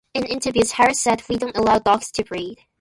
In interviews Harris said We don't allow dogs to breed.